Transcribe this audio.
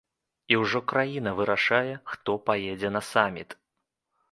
І ўжо краіна вырашае, хто паедзе на саміт.